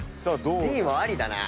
Ｂもありだな。